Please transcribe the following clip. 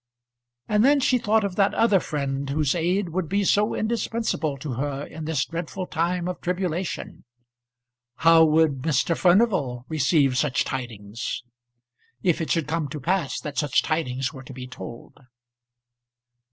And then she thought of that other friend whose aid would be so indispensable to her in this dreadful time of tribulation. How would Mr. Furnival receive such tidings, if it should come to pass that such tidings were to be told?